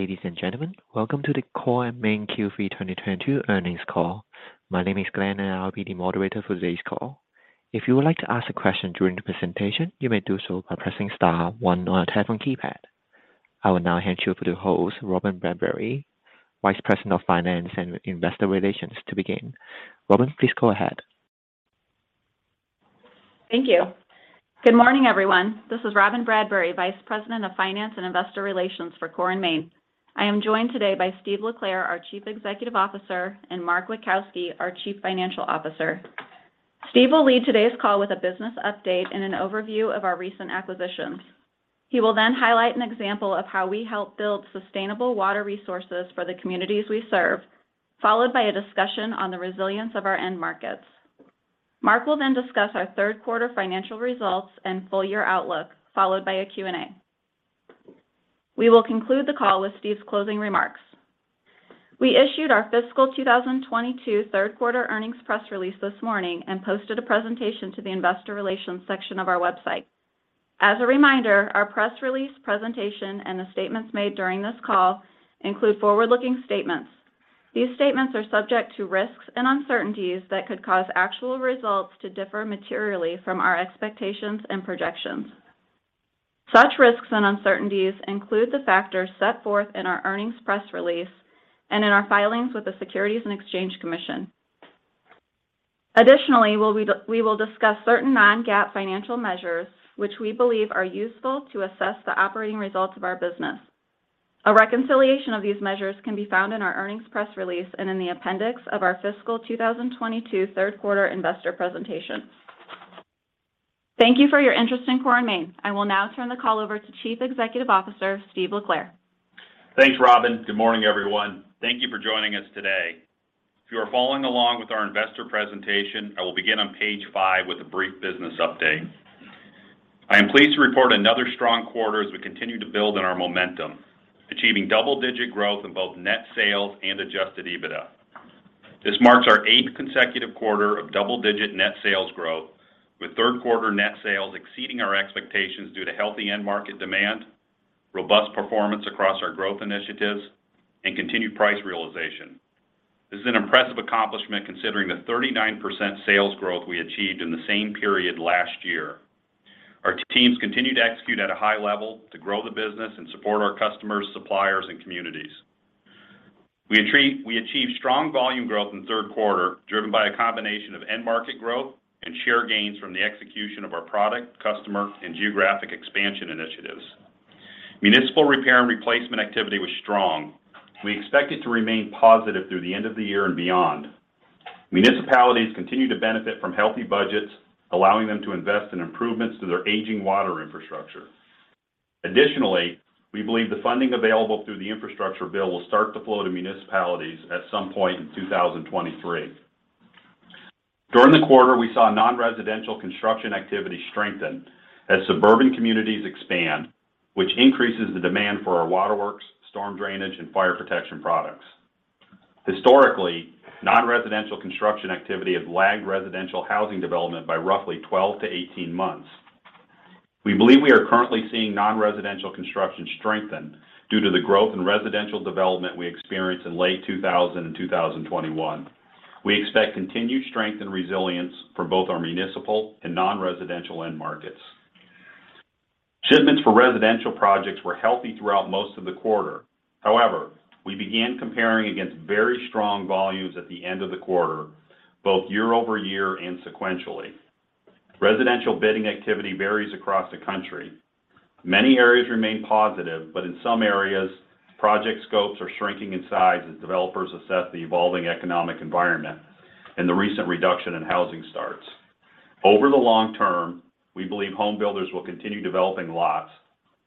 Ladies and gentlemen, welcome to the Core & Main Q3 2022 earnings call. My name is Glenn, and I'll be the moderator for today's call. If you would like to ask a question during the presentation, you may do so by pressing star one on your telephone keypad. I will now hand you to the host, Robyn Bradbury, Vice President of Finance and Investor Relations, to begin. Robyn, please go ahead. Thank you. Good morning, everyone. This is Robyn Bradbury, Vice President of Finance and Investor Relations for Core & Main. I am joined today by Steve LeClair, our Chief Executive Officer, and Mark Witkowski, our Chief Financial Officer. Steve will lead today's call with a business update and an overview of our recent acquisitions. He will highlight an example of how we help build sustainable water resources for the communities we serve, followed by a discussion on the resilience of our end markets. Mark will discuss our third quarter financial results and full year outlook, followed by a Q&A. We will conclude the call with Steve's closing remarks. We issued our fiscal 2022 third quarter earnings press release this morning and posted a presentation to the investor relations section of our website. As a reminder, our press release presentation and the statements made during this call include forward-looking statements. These statements are subject to risks and uncertainties that could cause actual results to differ materially from our expectations and projections. Such risks and uncertainties include the factors set forth in our earnings press release and in our filings with the Securities and Exchange Commission. Additionally, we will discuss certain non-GAAP financial measures which we believe are useful to assess the operating results of our business. A reconciliation of these measures can be found in our earnings press release and in the appendix of our fiscal 2022 third quarter investor presentation. Thank you for your interest in Core & Main. I will now turn the call over to Chief Executive Officer, Steve LeClair. Thanks, Robyn. Good morning, everyone. Thank you for joining us today. If you are following along with our investor presentation, I will begin on page 5 with a brief business update. I am pleased to report another strong quarter as we continue to build on our momentum, achieving double-digit growth in both net sales and Adjusted EBITDA. This marks our eighth consecutive quarter of double-digit net sales growth, with third quarter net sales exceeding our expectations due to healthy end market demand, robust performance across our growth initiatives, and continued price realization. This is an impressive accomplishment considering the 39% sales growth we achieved in the same period last year. Our teams continue to execute at a high level to grow the business and support our customers, suppliers, and communities. We achieved strong volume growth in the third quarter, driven by a combination of end market growth and share gains from the execution of our product, customer, and geographic expansion initiatives. Municipal repair and replacement activity was strong. We expect it to remain positive through the end of the year and beyond. Municipalities continue to benefit from healthy budgets, allowing them to invest in improvements to their aging water infrastructure. Additionally, we believe the funding available through the infrastructure bill will start to flow to municipalities at some point in 2023. During the quarter, we saw non-residential construction activity strengthen as suburban communities expand, which increases the demand for our waterworks, storm drainage, and fire protection products. Historically, non-residential construction activity has lagged residential housing development by roughly 12-18 months. We believe we are currently seeing non-residential construction strengthen due to the growth in residential development we experienced in late 2020 and 2021. We expect continued strength and resilience for both our municipal and non-residential end markets. Shipments for residential projects were healthy throughout most of the quarter. However, we began comparing against very strong volumes at the end of the quarter, both year-over-year and sequentially. Residential bidding activity varies across the country. Many areas remain positive, but in some areas, project scopes are shrinking in size as developers assess the evolving economic environment and the recent reduction in housing starts. Over the long term, we believe home builders will continue developing lots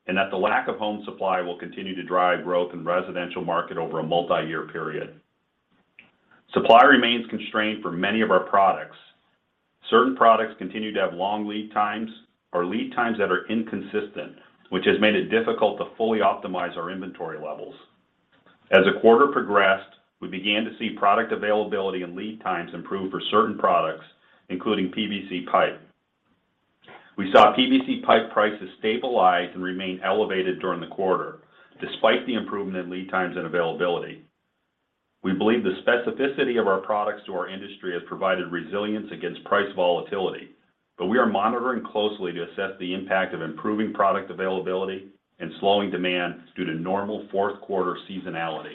and that the lack of home supply will continue to drive growth in the residential market over a multi-year period. Supply remains constrained for many of our products. Certain products continue to have long lead times or lead times that are inconsistent, which has made it difficult to fully optimize our inventory levels. As the quarter progressed, we began to see product availability and lead times improve for certain products, including PVC pipe. We saw PVC pipe prices stabilize and remain elevated during the quarter despite the improvement in lead times and availability. We believe the specificity of our products to our industry has provided resilience against price volatility, but we are monitoring closely to assess the impact of improving product availability and slowing demand due to normal fourth quarter seasonality.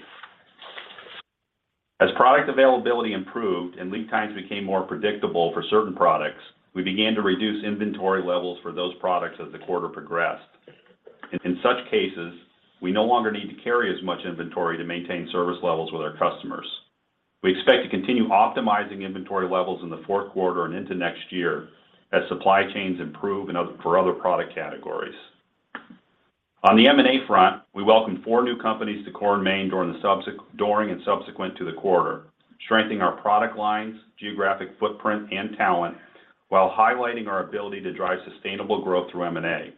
As product availability improved and lead times became more predictable for certain products, we began to reduce inventory levels for those products as the quarter progressed. In such cases, we no longer need to carry as much inventory to maintain service levels with our customers. We expect to continue optimizing inventory levels in the fourth quarter and into next year as supply chains improve for other product categories. On the M&A front, we welcomed four new companies to Core & Main during and subsequent to the quarter, strengthening our product lines, geographic footprint, and talent while highlighting our ability to drive sustainable growth through M&A.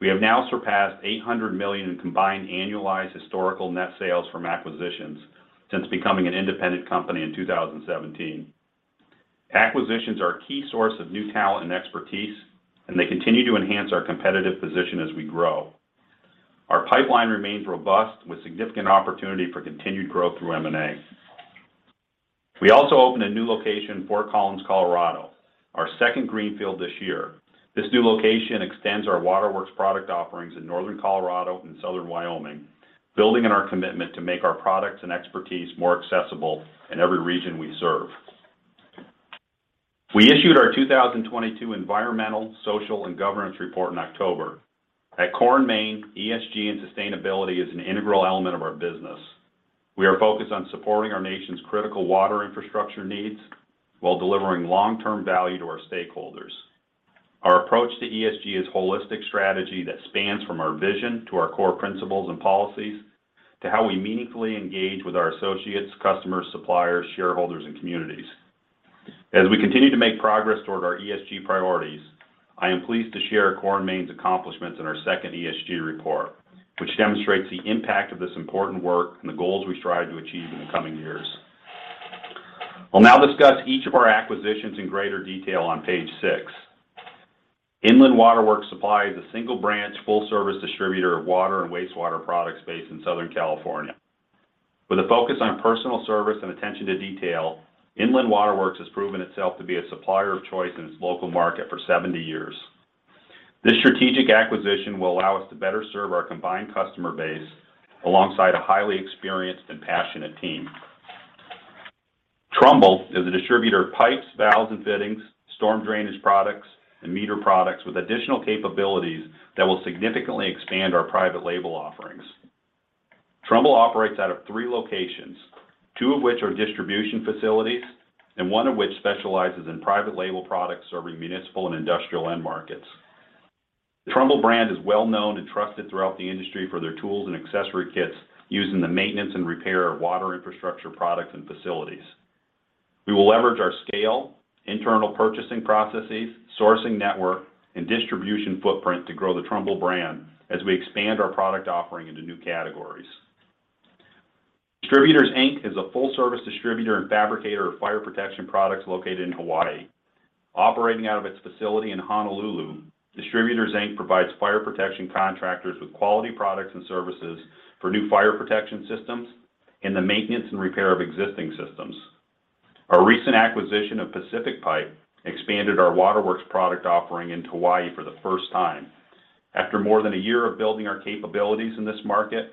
We have now surpassed $800 million in combined annualized historical net sales from acquisitions since becoming an independent company in 2017. Acquisitions are a key source of new talent and expertise, and they continue to enhance our competitive position as we grow. Our pipeline remains robust with significant opportunity for continued growth through M&A. We also opened a new location, Fort Collins, Colorado, our second greenfield this year. This new location extends our waterworks product offerings in northern Colorado and southern Wyoming, building on our commitment to make our products and expertise more accessible in every region we serve. We issued our 2022 environmental, social, and governance report in October. At Core & Main, ESG and sustainability is an integral element of our business. We are focused on supporting our nation's critical water infrastructure needs while delivering long-term value to our stakeholders. Our approach to ESG is holistic strategy that spans from our vision to our core principles and policies to how we meaningfully engage with our associates, customers, suppliers, shareholders, and communities. As we continue to make progress toward our ESG priorities, I am pleased to share Core & Main's accomplishments in our second ESG report, which demonstrates the impact of this important work and the goals we strive to achieve in the coming years. I'll now discuss each of our acquisitions in greater detail on page six. Inland Water Works Supply is a single-branch, full-service distributor of water and wastewater products based in Southern California. With a focus on personal service and attention to detail, Inland Water Works has proven itself to be a supplier of choice in its local market for 70 years. This strategic acquisition will allow us to better serve our combined customer base alongside a highly experienced and passionate team. Trumbull is a distributor of pipes, valves and fittings, storm drainage products, and meter products with additional capabilities that will significantly expand our private label offerings. Trumbull operates out of three locations, two of which are distribution facilities and one of which specializes in private label products serving municipal and industrial end markets. The Trumbull brand is well known and trusted throughout the industry for their tools and accessory kits used in the maintenance and repair of water infrastructure products and facilities. We will leverage our scale, internal purchasing processes, sourcing network, and distribution footprint to grow the Trumbull brand as we expand our product offering into new categories. Distributors Inc is a full-service distributor and fabricator of fire protection products located in Hawaii. Operating out of its facility in Honolulu, Distributors Inc provides fire protection contractors with quality products and services for new fire protection systems and the maintenance and repair of existing systems. Our recent acquisition of Pacific Pipe expanded our Waterworks product offering in Hawaii for the first time. After more than one year of building our capabilities in this market,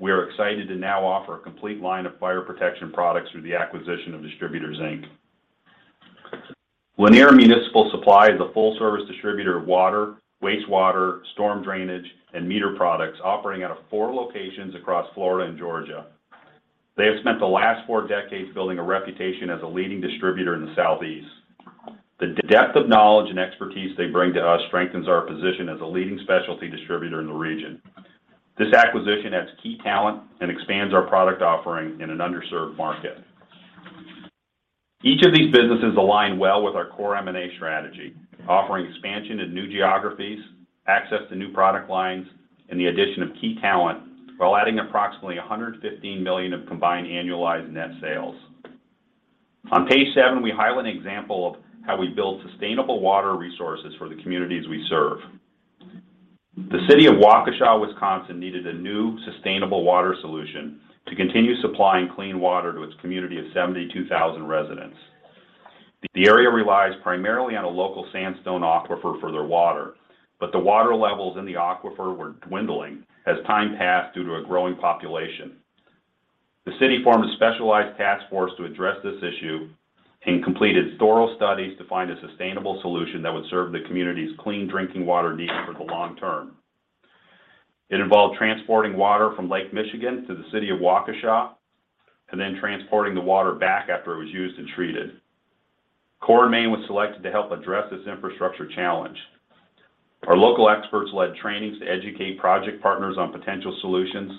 we are excited to now offer a complete line of fire protection products through the acquisition of Distributors Inc Lanier Municipal Supply is a full-service distributor of water, wastewater, storm drainage, and meter products operating out of four locations across Florida and Georgia. They have spent the last 4 decades building a reputation as a leading distributor in the Southeast. The depth of knowledge and expertise they bring to us strengthens our position as a leading specialty distributor in the region. This acquisition adds key talent and expands our product offering in an underserved market. Each of these businesses align well with our core M&A strategy, offering expansion into new geographies, access to new product lines, and the addition of key talent while adding approximately $115 million of combined annualized net sales. On page seven, we highlight an example of how we build sustainable water resources for the communities we serve. The city of Waukesha, Wisconsin, needed a new, sustainable water solution to continue supplying clean water to its community of 72,000 residents. The area relies primarily on a local sandstone aquifer for their water, but the water levels in the aquifer were dwindling as time passed due to a growing population. The city formed a specialized task force to address this issue and completed thorough studies to find a sustainable solution that would serve the community's clean drinking water needs for the long term. It involved transporting water from Lake Michigan to the city of Waukesha and then transporting the water back after it was used and treated. Core & Main was selected to help address this infrastructure challenge. Our local experts led trainings to educate project partners on potential solutions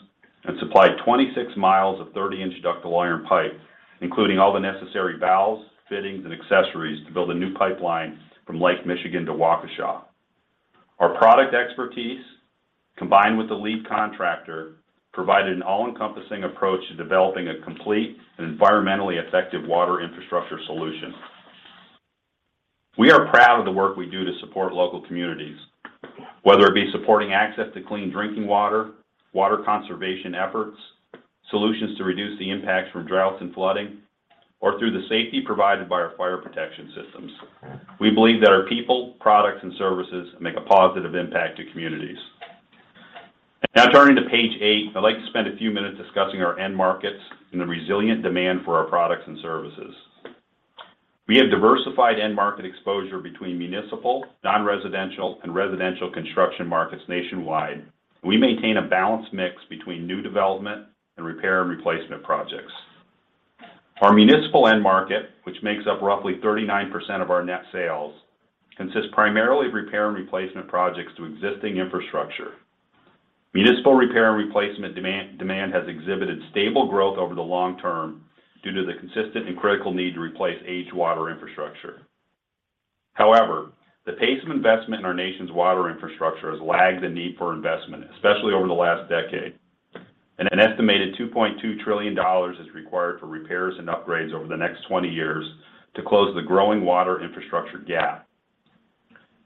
and supplied 26 mi of 30-in ductile iron pipe, including all the necessary valves, fittings, and accessories to build a new pipeline from Lake Michigan to Waukesha. Our product expertise, combined with the lead contractor, provided an all-encompassing approach to developing a complete and environmentally effective water infrastructure solution. We are proud of the work we do to support local communities, whether it be supporting access to clean drinking water conservation efforts, solutions to reduce the impacts from droughts and flooding, or through the safety provided by our fire protection systems. We believe that our people, products, and services make a positive impact to communities. Turning to page eight, I'd like to spend a few minutes discussing our end markets and the resilient demand for our products and services. We have diversified end market exposure between municipal, non-residential, and residential construction markets nationwide. We maintain a balanced mix between new development and repair and replacement projects. Our municipal end market, which makes up roughly 39% of our net sales, consists primarily of repair and replacement projects to existing infrastructure. Municipal repair and replacement demand has exhibited stable growth over the long term due to the consistent and critical need to replace aged water infrastructure. However, the pace of investment in our nation's water infrastructure has lagged the need for investment, especially over the last decade. An estimated $2.2 trillion is required for repairs and upgrades over the next 20 years to close the growing water infrastructure gap.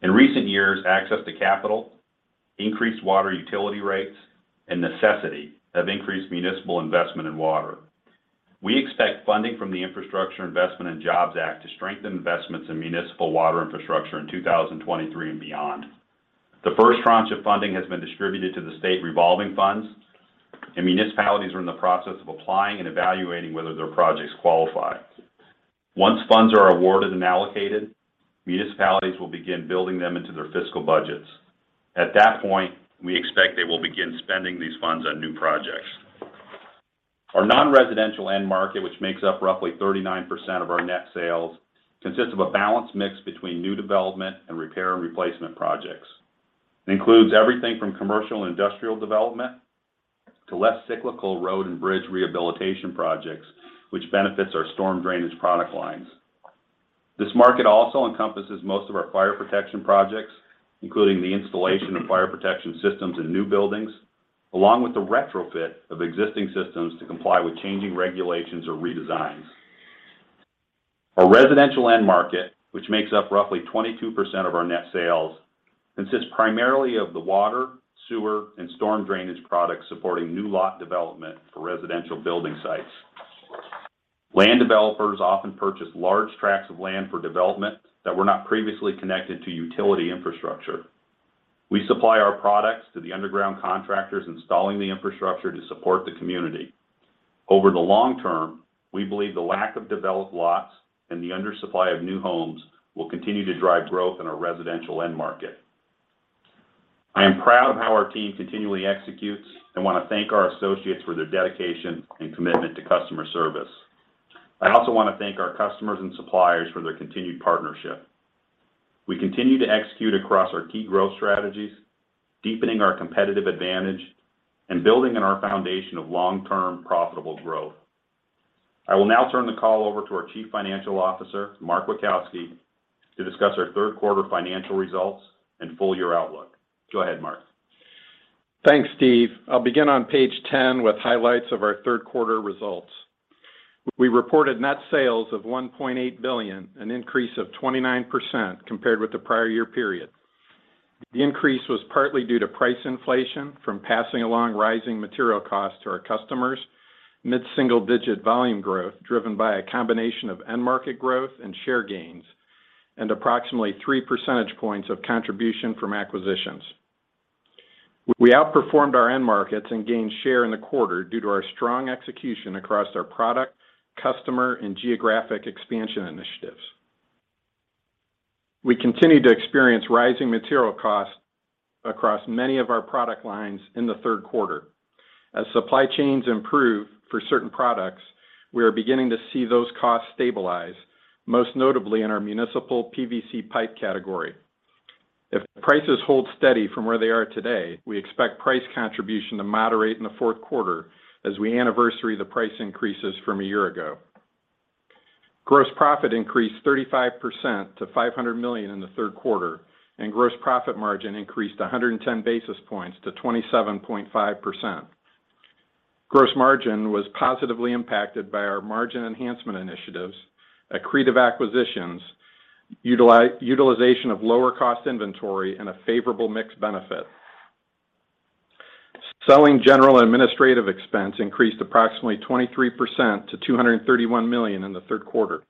In recent years, access to capital, increased water utility rates, and necessity have increased municipal investment in water. We expect funding from the Infrastructure Investment and Jobs Act to strengthen investments in municipal water infrastructure in 2023 and beyond. The first tranche of funding has been distributed to the state revolving funds. Municipalities are in the process of applying and evaluating whether their projects qualify. Once funds are awarded and allocated, municipalities will begin building them into their fiscal budgets. At that point, we expect they will begin spending these funds on new projects. Our non-residential end market, which makes up roughly 39% of our net sales, consists of a balanced mix between new development and repair and replacement projects. It includes everything from commercial and industrial development to less cyclical road and bridge rehabilitation projects, which benefits our storm drainage product lines. This market also encompasses most of our fire protection projects, including the installation of fire protection systems in new buildings, along with the retrofit of existing systems to comply with changing regulations or redesigns. Our residential end market, which makes up roughly 22% of our net sales, consists primarily of the water, sewer, and storm drainage products supporting new lot development for residential building sites. Land developers often purchase large tracts of land for development that were not previously connected to utility infrastructure. We supply our products to the underground contractors installing the infrastructure to support the community. Over the long term, we believe the lack of developed lots and the undersupply of new homes will continue to drive growth in our residential end market. I am proud of how our team continually executes and want to thank our associates for their dedication and commitment to customer service. I also want to thank our customers and suppliers for their continued partnership. We continue to execute across our key growth strategies, deepening our competitive advantage and building on our foundation of long-term profitable growth. I will now turn the call over to our Chief Financial Officer, Mark Witkowski, to discuss our third quarter financial results and full year outlook. Go ahead, Mark. Thanks, Steve. I'll begin on page 10 with highlights of our third quarter results. We reported net sales of $1.8 billion, an increase of 29% compared with the prior year period. The increase was partly due to price inflation from passing along rising material costs to our customers mid-single digit volume growth, driven by a combination of end market growth and share gains, and approximately 3 percentage points of contribution from acquisitions. We outperformed our end markets and gained share in the quarter due to our strong execution across our product, customer, and geographic expansion initiatives. We continued to experience rising material costs across many of our product lines in the third quarter. As supply chains improve for certain products, we are beginning to see those costs stabilize, most notably in our municipal PVC pipe category. If prices hold steady from where they are today, we expect price contribution to moderate in the fourth quarter as we anniversary the price increases from a year ago. Gross profit increased 35% to $500 million in the third quarter. Gross profit margin increased 110 basis points to 27.5%. Gross margin was positively impacted by our margin enhancement initiatives, accretive acquisitions, utilization of lower cost inventory, and a favorable mix benefit. Selling, general, and administrative expense increased approximately 23% to $231 million in the third quarter.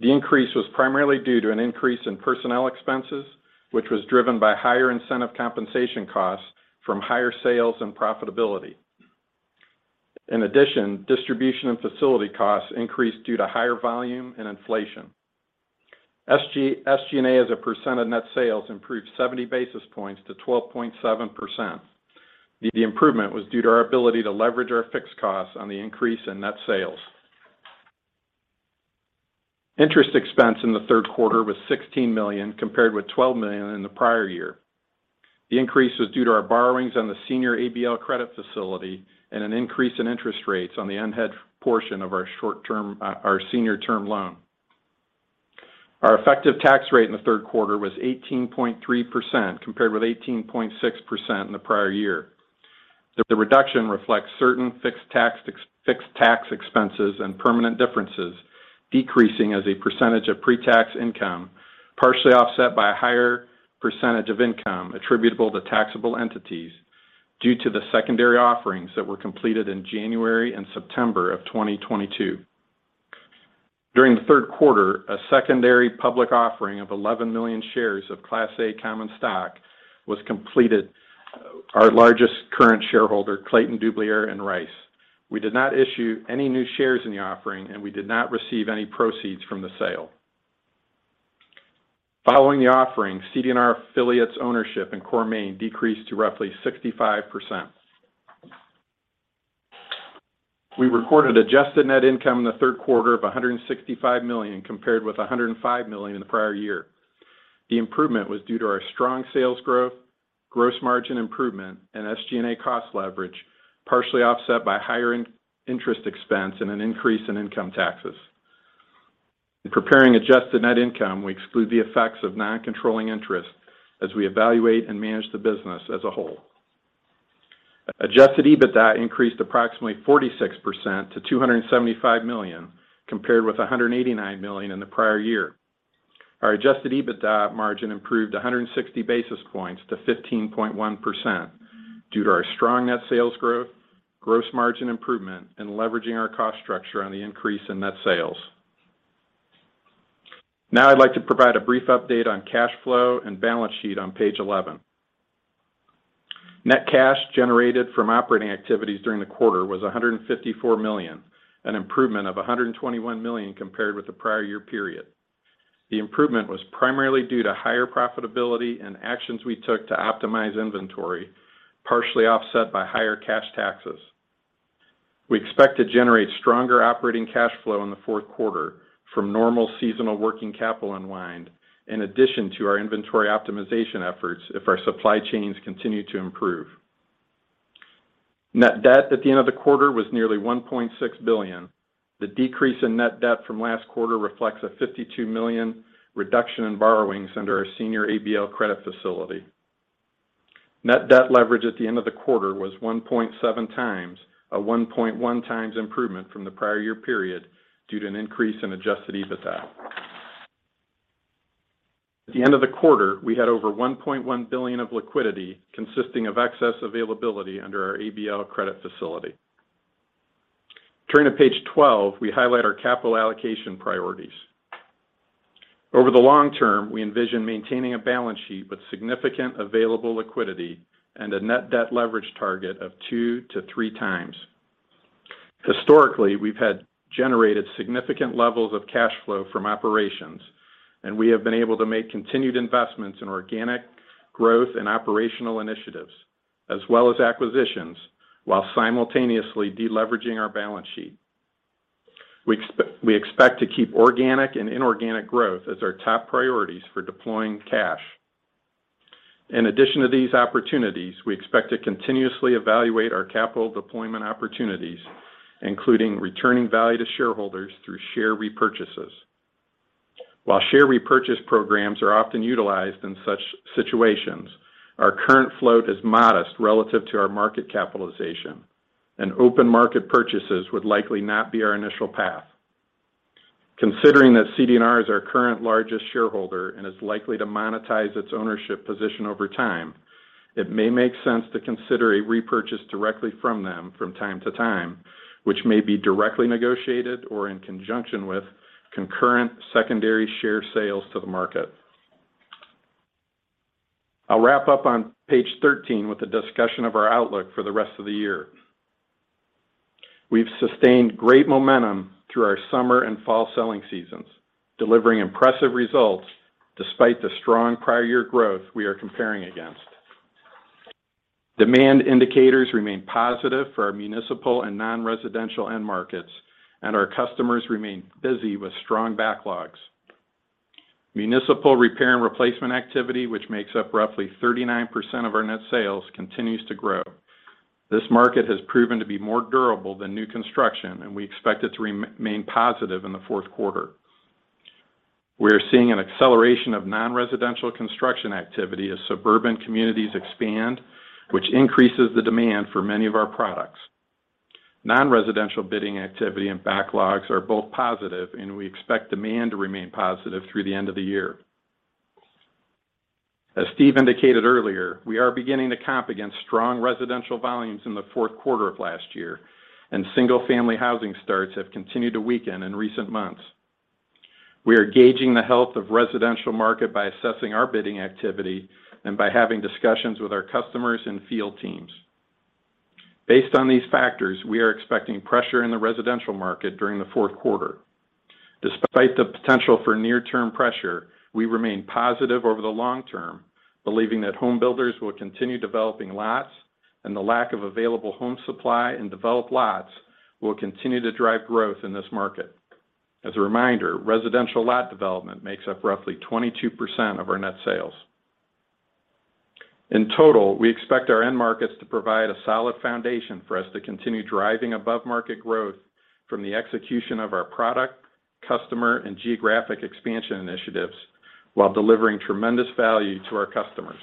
The increase was primarily due to an increase in personnel expenses, which was driven by higher incentive compensation costs from higher sales and profitability. Distribution and facility costs increased due to higher volume and inflation. SG&A as a percent of net sales improved 70 basis points to 12.7%. The improvement was due to our ability to leverage our fixed costs on the increase in net sales. Interest expense in the third quarter was $16 million, compared with $12 million in the prior year. The increase was due to our borrowings on the senior ABL credit facility and an increase in interest rates on the unhedged portion of our senior term loan. Our effective tax rate in the third quarter was 18.3%, compared with 18.6% in the prior year. The reduction reflects certain fixed tax expenses and permanent differences, decreasing as a percentage of pre-tax income, partially offset by a higher percentage of income attributable to taxable entities due to the secondary offerings that were completed in January and September of 2022. During the third quarter, a secondary public offering of 11 million shares of Class A common stock was completed. Our largest current shareholder, Clayton, Dubilier & Rice. We did not issue any new shares in the offering, and we did not receive any proceeds from the sale. Following the offering, CD&R affiliate's ownership in Core & Main decreased to roughly 65%. We recorded adjusted net income in the third quarter of $165 million, compared with $105 million in the prior year. The improvement was due to our strong sales growth, gross margin improvement, and SG&A cost leverage, partially offset by higher interest expense and an increase in income taxes. In preparing adjusted net income, we exclude the effects of non-controlling interest as we evaluate and manage the business as a whole. Adjusted EBITDA increased approximately 46% to $275 million, compared with $189 million in the prior year. Our Adjusted EBITDA margin improved 160 basis points to 15.1% due to our strong net sales growth, gross margin improvement, and leveraging our cost structure on the increase in net sales. Now I'd like to provide a brief update on cash flow and balance sheet on page 11. Net cash generated from operating activities during the quarter was $154 million, an improvement of $121 million compared with the prior year period. The improvement was primarily due to higher profitability and actions we took to optimize inventory, partially offset by higher cash taxes. We expect to generate stronger operating cash flow in the fourth quarter from normal seasonal working capital unwind, in addition to our inventory optimization efforts if our supply chains continue to improve. Net debt at the end of the quarter was nearly $1.6 billion. The decrease in net debt from last quarter reflects a $52 million reduction in borrowings under our senior ABL credit facility. Net debt leverage at the end of the quarter was 1.7x, a 1.1x improvement from the prior year period due to an increase in Adjusted EBITDA. At the end of the quarter, we had over $1.1 billion of liquidity consisting of excess availability under our ABL credit facility. Turning to page 12, we highlight our capital allocation priorities. Over the long term, we envision maintaining a balance sheet with significant available liquidity and a net debt leverage target of 2x-3x. Historically, we've had generated significant levels of cash flow from operations, We have been able to make continued investments in organic growth and operational initiatives, as well as acquisitions, while simultaneously deleveraging our balance sheet. We expect to keep organic and inorganic growth as our top priorities for deploying cash. In addition to these opportunities, we expect to continuously evaluate our capital deployment opportunities, including returning value to shareholders through share repurchases. While share repurchase programs are often utilized in such situations, our current float is modest relative to our market capitalization. Open market purchases would likely not be our initial path. Considering that CD&R is our current largest shareholder and is likely to monetize its ownership position over time, it may make sense to consider a repurchase directly from them from time to time, which may be directly negotiated or in conjunction with concurrent secondary share sales to the market. I'll wrap up on page 13 with a discussion of our outlook for the rest of the year. We've sustained great momentum through our summer and fall selling seasons, delivering impressive results despite the strong prior year growth we are comparing against. Demand indicators remain positive for our municipal and non-residential end markets, our customers remain busy with strong backlogs. Municipal repair and replacement activity, which makes up roughly 39% of our net sales, continues to grow. This market has proven to be more durable than new construction, we expect it to remain positive in the fourth quarter. We are seeing an acceleration of non-residential construction activity as suburban communities expand, which increases the demand for many of our products. Non-residential bidding activity and backlogs are both positive, we expect demand to remain positive through the end of the year. As Steve indicated earlier, we are beginning to comp against strong residential volumes in the fourth quarter of last year, single-family housing starts have continued to weaken in recent months. We are gauging the health of residential market by assessing our bidding activity and by having discussions with our customers and field teams. Based on these factors, we are expecting pressure in the residential market during the fourth quarter. Despite the potential for near-term pressure, we remain positive over the long term, believing that home builders will continue developing lots and the lack of available home supply and developed lots will continue to drive growth in this market. As a reminder, residential lot development makes up roughly 22% of our net sales. In total, we expect our end markets to provide a solid foundation for us to continue driving above-market growth from the execution of our product, customer, and geographic expansion initiatives while delivering tremendous value to our customers.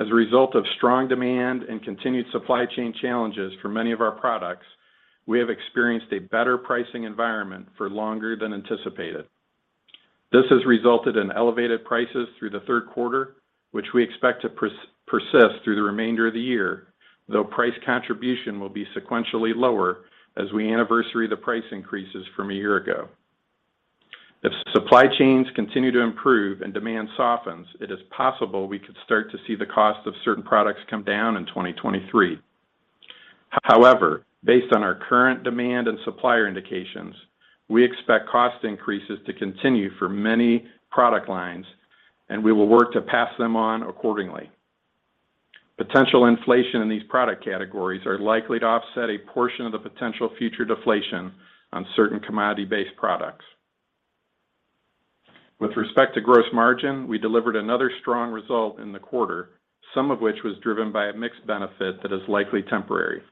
As a result of strong demand and continued supply chain challenges for many of our products, we have experienced a better pricing environment for longer than anticipated. This has resulted in elevated prices through the third quarter, which we expect to persist through the remainder of the year, though price contribution will be sequentially lower as we anniversary the price increases from a year ago. If supply chains continue to improve and demand softens, it is possible we could start to see the cost of certain products come down in 2023. However, based on our current demand and supplier indications, we expect cost increases to continue for many product lines, and we will work to pass them on accordingly. Potential inflation in these product categories are likely to offset a portion of the potential future deflation on certain commodity-based products. With respect to gross margin, we delivered another strong result in the quarter, some of which was driven by a mix benefit that is likely temporary.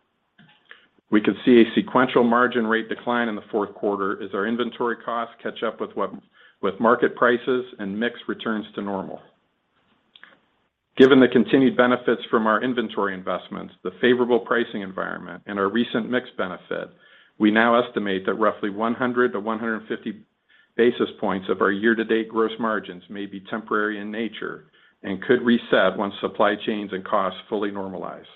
We could see a sequential margin rate decline in the fourth quarter as our inventory costs catch up with market prices and mix returns to normal. Given the continued benefits from our inventory investments, the favorable pricing environment, and our recent mix benefit, we now estimate that roughly 100 basis points-150 basis points of our year-to-date gross margins may be temporary in nature and could reset once supply chains and costs fully normalize.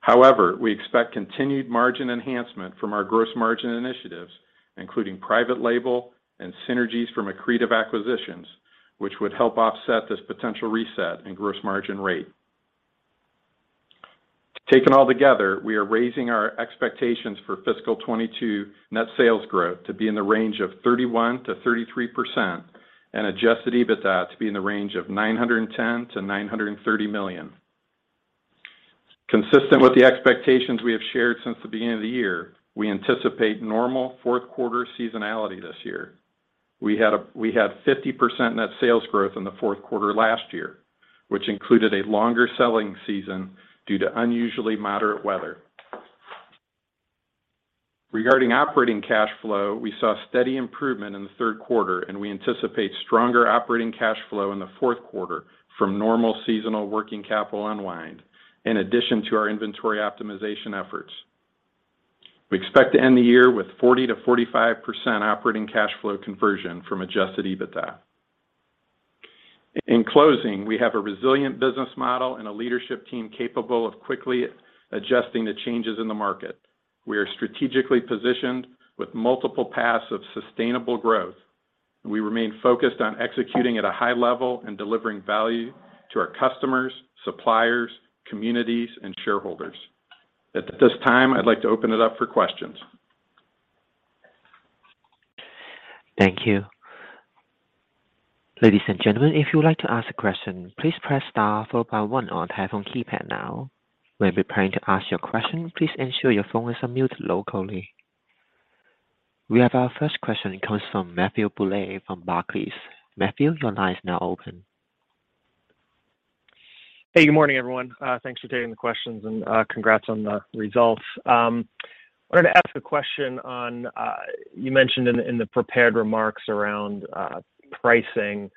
However, we expect continued margin enhancement from our gross margin initiatives, including private label and synergies from accretive acquisitions, which would help offset this potential reset in gross margin rate. Taken all together, we are raising our expectations for fiscal 2022 net sales growth to be in the range of 31%-33% and Adjusted EBITDA to be in the range of $910 million-$930 million. Consistent with the expectations we have shared since the beginning of the year, we anticipate normal fourth quarter seasonality this year. We had 50% net sales growth in the fourth quarter last year, which included a longer selling season due to unusually moderate weather. Regarding operating cash flow, we saw steady improvement in the third quarter, and we anticipate stronger operating cash flow in the fourth quarter from normal seasonal working capital unwind, in addition to our inventory optimization efforts. We expect to end the year with 40%-45% operating cash flow conversion from Adjusted EBITDA. In closing, we have a resilient business model and a leadership team capable of quickly adjusting to changes in the market. We are strategically positioned with multiple paths of sustainable growth. We remain focused on executing at a high level and delivering value to our customers, suppliers, communities, and shareholders. At this time, I'd like to open it up for questions. Thank you. Ladies and gentlemen, if you would like to ask a question, please press star followed by one on telephone keypad now. When preparing to ask your question, please ensure your phone is on mute locally. We have our first question comes from Matthew Bouley from Barclays. Matthew, your line is now open. Hey, good morning, everyone. Thanks for taking the questions and congrats on the results. I wanted to ask a question on you mentioned in the prepared remarks around pricing,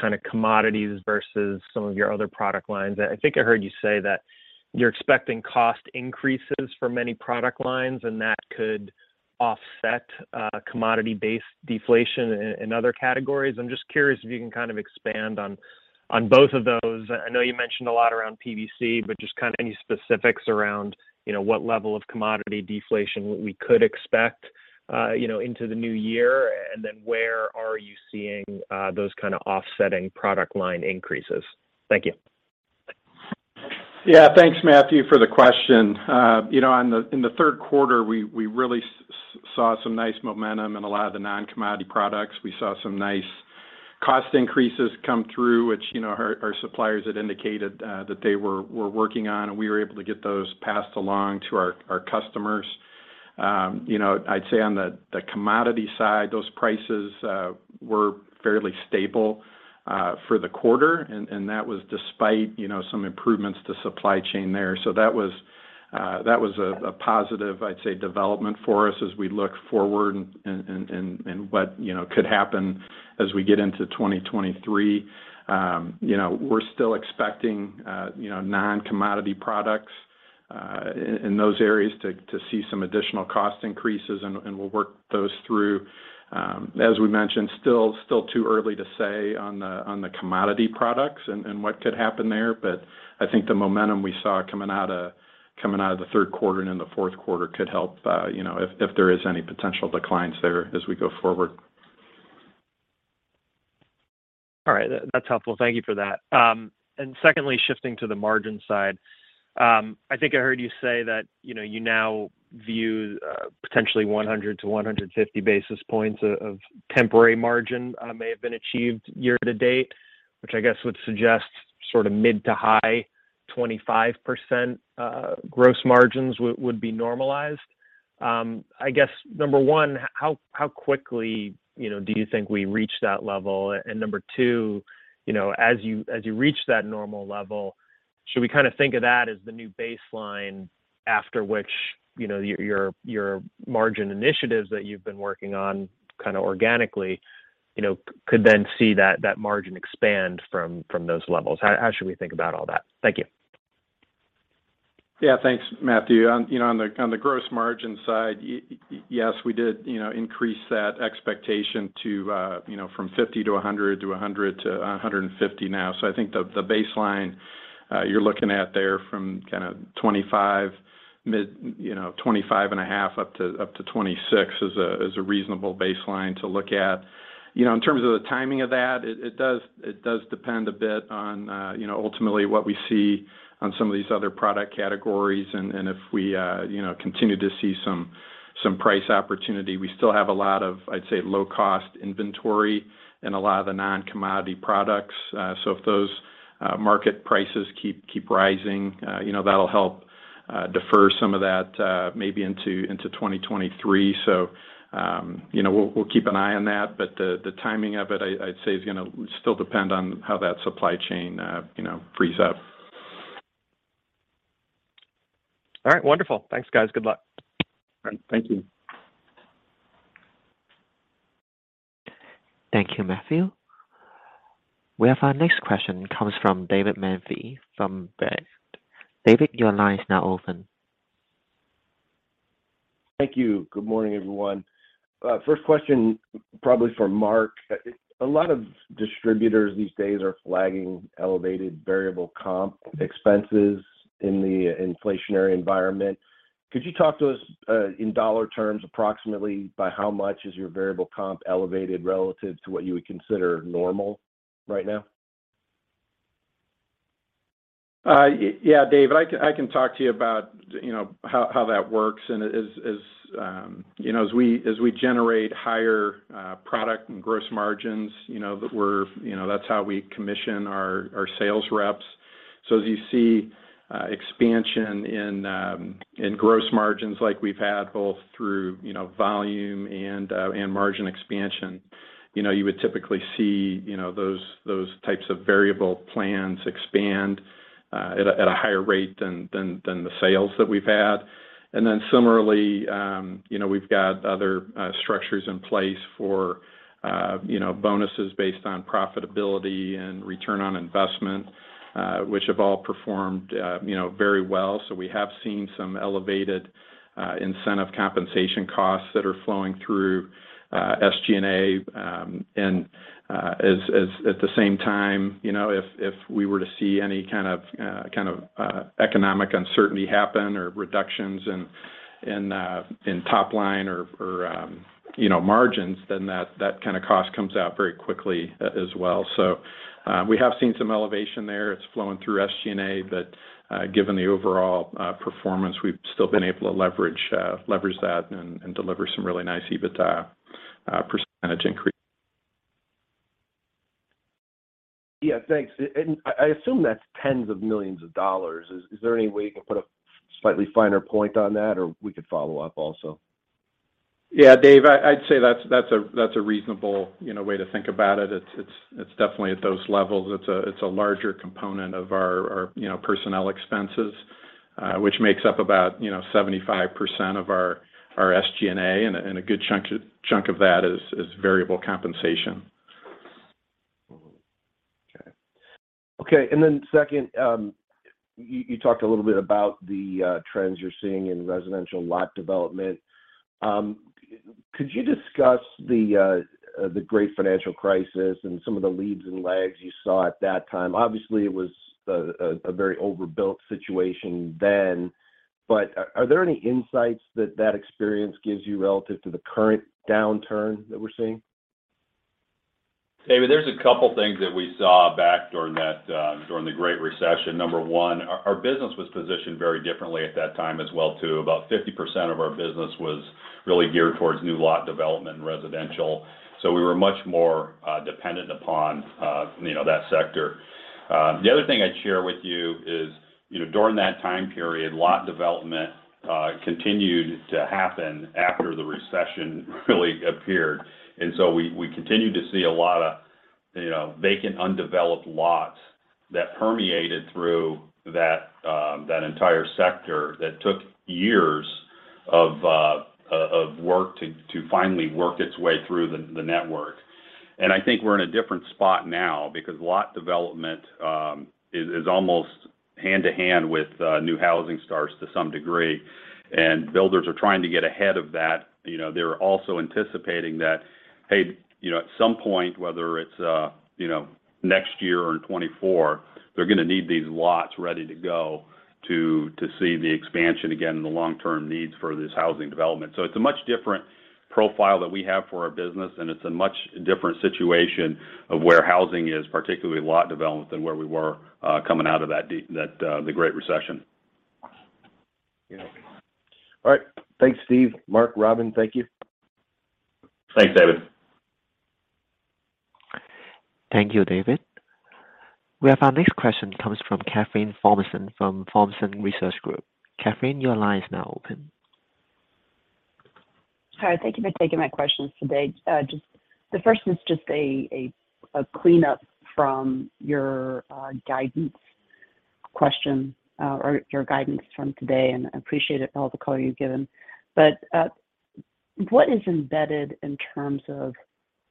kind of commodities versus some of your other product lines. I think I heard you say that you're expecting cost increases for many product lines, and that could offset commodity-based deflation in other categories. I'm just curious if you can kind of expand on both of those. I know you mentioned a lot around PVC, just kind of any specifics around, you know, what level of commodity deflation we could expect, you know, into the new year. Where are you seeing those kind of offsetting product line increases? Thank you. Thanks, Matthew, for the question. you know, in the third quarter, we really saw some nice momentum in a lot of the non-commodity products. We saw some nice cost increases come through, which, you know, our suppliers had indicated that they were working on, and we were able to get those passed along to our customers. you know, I'd say on the commodity side, those prices were fairly stable for the quarter, and that was despite, you know, some improvements to supply chain there. That was a positive, I'd say, development for us as we look forward and what, you know, could happen as we get into 2023. You know, we're still expecting, you know, non-commodity products, in those areas to see some additional cost increases, and we'll work those through. As we mentioned, still too early to say on the commodity products and what could happen there. I think the momentum we saw coming out of the third quarter and in the fourth quarter could help, you know, if there is any potential declines there as we go forward. All right. That's helpful. Thank you for that. Secondly, shifting to the margin side. I think I heard you say that, you know, you now view, potentially 100 basis points-150 basis points of temporary margin may have been achieved year to date, which I guess would suggest sort of mid to high 25%, gross margins would be normalized. I guess, number one, how quickly, you know, do you think we reach that level? Number two, you know, as you reach that normal level, should we kind of think of that as the new baseline after which, you know, your margin initiatives that you've been working on kind of organically, you know, could then see that margin expand from those levels? How should we think about all that? Thank you. Yeah. Thanks, Matthew. On, you know, on the gross margin side, yes, we did, you know, increase that expectation to, you know, from 50 to 100 to 150 now. I think the baseline, you're looking at there from kind of mid-25%, you know, 25.5% up to 26% is a reasonable baseline to look at. You know, in terms of the timing of that, it does depend a bit on, you know, ultimately what we see on some of these other product categories and if we, you know, continue to see some price opportunity. We still have a lot of, I'd say, low cost inventory in a lot of the non-commodity products. If those market prices keep rising, you know, that'll help defer some of that maybe into 2023. You know, we'll keep an eye on that, but the timing of it, I'd say, is gonna still depend on how that supply chain, you know, frees up. All right. Wonderful. Thanks, guys. Good luck. Thank you. Thank you, Matthew. We have our next question comes from David Manthey from Baird. David, your line is now open. Thank you. Good morning, everyone. First question probably for Mark. A lot of distributors these days are flagging elevated variable comp expenses in the inflationary environment. Could you talk to us in dollar terms, approximately by how much is your variable comp elevated relative to what you would consider normal right now? Yeah, Dave, I can talk to you about, you know, how that works. As, you know, as we generate higher product and gross margins, you know, that's how we commission our sales reps. As you see expansion in gross margins like we've had both through, you know, volume and margin expansion, you know, you would typically see, you know, those types of variable plans expand at a higher rate than the sales that we've had. Similarly, you know, we've got other structures in place for, you know, bonuses based on profitability and return on investment, which have all performed, you know, very well. We have seen some elevated incentive compensation costs that are flowing through SG&A. At the same time, you know, if we were to see any kind of economic uncertainty happen or reductions in top line or, you know, margins, then that kind of cost comes out very quickly as well. We have seen some elevation there. It's flowing through SG&A. Given the overall performance, we've still been able to leverage that and deliver some really nice EBITDA percentage increase. Yeah, thanks. I assume that's tens of millions of dollars. Is there any way you can put a slightly finer point on that or we could follow up also? Yeah, Dave, I'd say that's a reasonable, you know, way to think about it. It's definitely at those levels. It's a larger component of our, you know, personnel expenses, which makes up about, you know, 75% of our SG&A, and a good chunk of that is variable compensation. Okay. Second, you talked a little bit about the trends you're seeing in residential lot development. Could you discuss the great financial crisis and some of the leads and lags you saw at that time? Obviously, it was a very overbuilt situation then, but are there any insights that that experience gives you relative to the current downturn that we're seeing? David, there's a couple things that we saw back during that, during the Great Recession. Number one, our business was positioned very differently at that time as well, too. About 50% of our business was really geared towards new lot development and residential, so we were much more dependent upon, you know, that sector. The other thing I'd share with you is, you know, during that time period, lot development continued to happen after the recession really appeared. We continued to see a lot of, you know, vacant, undeveloped lots that permeated through that entire sector that took years of work to finally work its way through the network. I think we're in a different spot now because lot development, is almost hand-in-hand with new housing starts to some degree. Builders are trying to get ahead of that. You know, they're also anticipating that, hey, you know, at some point, whether it's, you know, next year or in 2024, they're gonna need these lots ready to go to see the expansion again and the long-term needs for this housing development. It's a much different profile that we have for our business, and it's a much different situation of where housing is, particularly lot development, than where we were coming out of that the Great Recession. All right. Thanks, Steve. Mark, Robyn, thank you. Thanks, David. Thank you, David. We have our next question comes from Kathryn Thompson from Thompson Research Group. Kathryn, your line is now open. Hi, thank you for taking my questions today. Just the first is just a cleanup from your guidance question or your guidance from today, and I appreciate all the color you've given. What is embedded in terms of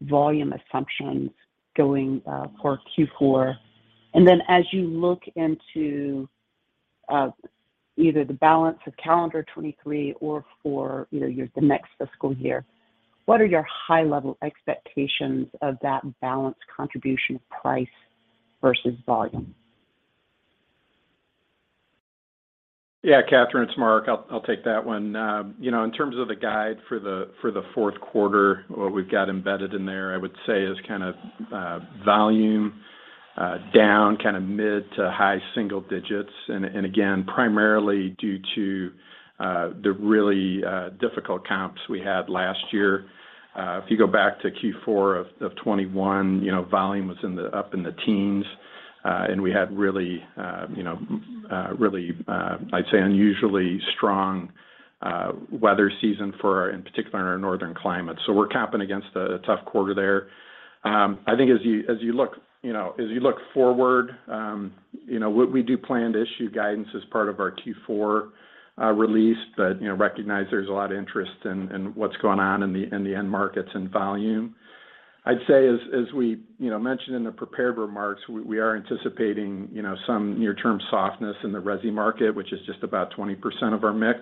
volume assumptions going for Q4? As you look into either the balance for calendar 2023 or for, you know, the next fiscal year, what are your high-level expectations of that balance contribution price versus volume? Yeah, Kathryn, it'll take that one. You know, in terms of the guide for the fourth quarter, what we've got embedded in there, I would say, is kind of volume down kind of mid to high single digits. Again, primarily due to the really difficult comps we had last year. If you go back to Q4 of 2021, you know, volume was up in the teens. We had really, you know, really, I'd say unusually strong weather season for our, in particular in our northern climates. We're comping against a tough quarter there. I think as you look, you know, as you look forward, you know, we do plan to issue guidance as part of our Q4 release. You know, recognize there's a lot of interest in what's going on in the end markets and volume. As we, you know, mentioned in the prepared remarks, we are anticipating, you know, some near-term softness in the resi market, which is just about 20% of our mix.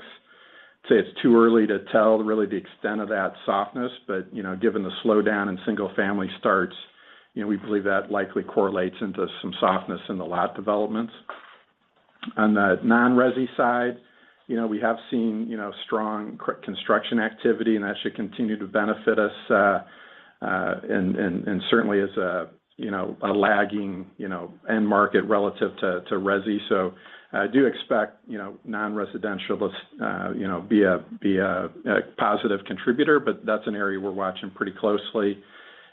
I'd say it's too early to tell really the extent of that softness. You know, given the slowdown in single-family starts, you know, we believe that likely correlates into some softness in the lot developments. On the non-resi side, you know, we have seen, you know, strong construction activity, and that should continue to benefit us, and certainly is a, you know, a lagging, you know, end market relative to resi. I do expect, you know, non-residential to, you know, be a positive contributor, but that's an area we're watching pretty closely.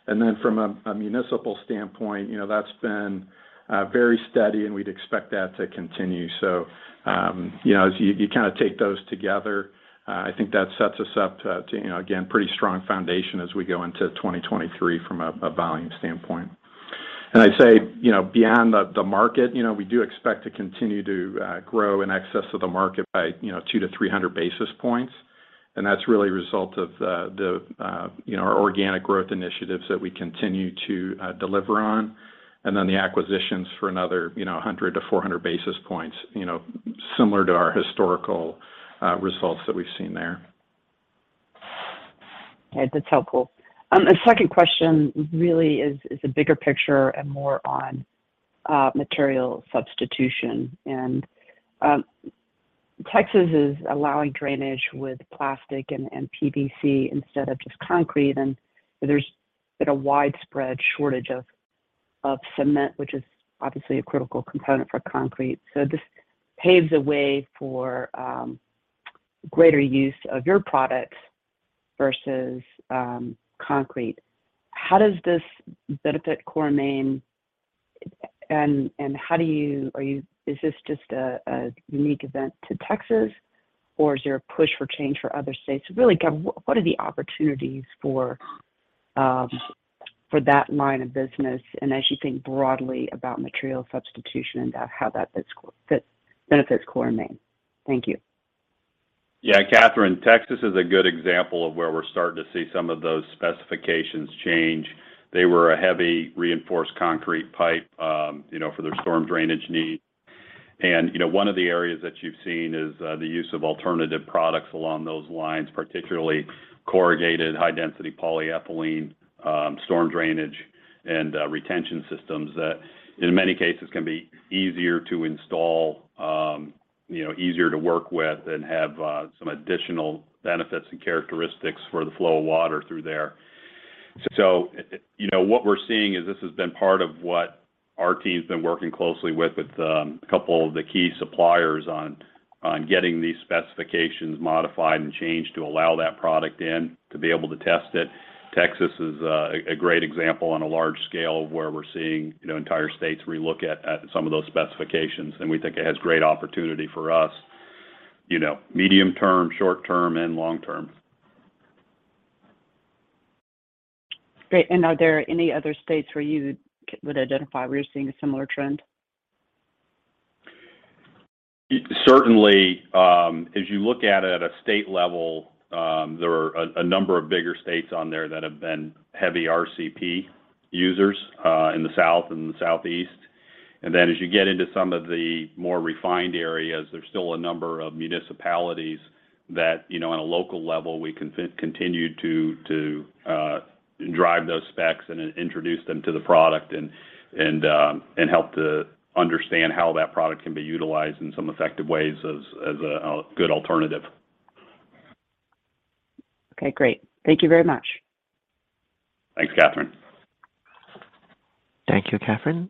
From a municipal standpoint, you know, that's been very steady and we'd expect that to continue. You know, as you kind of take those together, I think that sets us up to, you know, again, pretty strong foundation as we go into 2023 from a volume standpoint. I'd say, you know, beyond the market, you know, we do expect to continue to grow in excess of the market by, you know, 200 basis points-300 basis points. That's really a result of, you know, our organic growth initiatives that we continue to deliver on. The acquisitions for another, you know, 100 basis points-400 basis points, you know, similar to our historical results that we've seen there. Okay. That's helpful. The second question really is a bigger picture and more on material substitution. Texas is allowing drainage with plastic and PVC instead of just concrete, and there's been a widespread shortage of cement, which is obviously a critical component for concrete. This paves the way for greater use of your products versus concrete. How does this benefit Core & Main? How do you Is this just a unique event to Texas or is there a push for change for other states? Really, what are the opportunities for that line of business, and as you think broadly about material substitution and how that benefits Core & Main? Thank you. Yeah. Kathryn, Texas is a good example of where we're starting to see some of those specifications change. They were a heavy reinforced concrete pipe, you know, for their storm drainage needs. You know, one of the areas that you've seen is the use of alternative products along those lines, particularly corrugated high-density polyethylene, storm drainage and retention systems that in many cases can be easier to install, you know, easier to work with and have some additional benefits and characteristics for the flow of water through there. You know, what we're seeing is this has been part of what our team's been working closely with a couple of the key suppliers on getting these specifications modified and changed to allow that product in to be able to test it. Texas is a great example on a large scale of where we're seeing, you know, entire states relook at some of those specifications, and we think it has great opportunity for us, you know, medium term, short term, and long term. Great. Are there any other states where you would identify where you're seeing a similar trend? Certainly, as you look at it at a state level, there are a number of bigger states on there that have been heavy RCP users in the South and the Southeast. As you get into some of the more refined areas, there's still a number of municipalities that, you know, on a local level, we continue to drive those specs and introduce them to the product and help to understand how that product can be utilized in some effective ways as a good alternative. Okay. Great. Thank you very much. Thanks, Kathryn. Thank you, Kathryn.